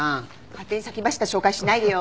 勝手に先走った紹介しないでよ。